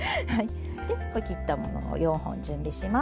で切ったものを４本準備します。